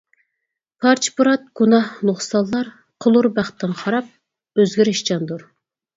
پارچە-پۇرات گۇناھ نۇقسانلار قىلۇر بەختىڭ خاراب، ئۆزگىرىشچاندۇر.